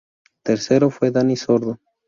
Tercero fue Dani Sordo.